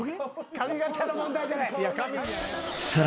髪形の問題じゃない。